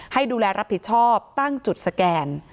ให้ดูแลรับผิดชอบตั้งจุดสแกน